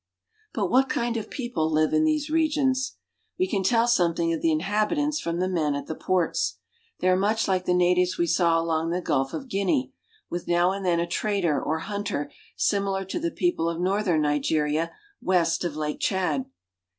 But what kind of peo Kple live in these regions ? We can tell something Kof the inhabitants from phe men at the ports. They are much like the ■natives we saw along Jthe Gulf of Guinea, with |aow and then a trader pr hunter similar to the wople of northern Nige Pria west of Lake Tchad.